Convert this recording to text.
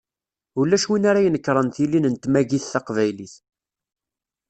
Ulac win ara inekṛen tilin n tmagit taqbaylit.